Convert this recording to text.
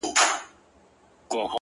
o چي په لاسونو كي رڼا وړي څوك ـ